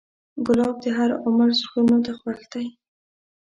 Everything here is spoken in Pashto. ګلاب د هر عمر زړونو ته خوښ دی.